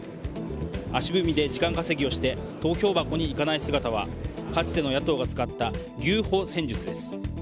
足踏みで時間稼ぎをして投票箱に行かない姿はかつての野党が使った牛歩戦術です。